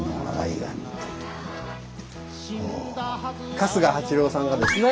春日八郎さんがですね